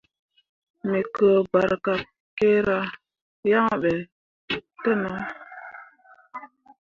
Me kǝǝ barkakkera yan ɓe te nah.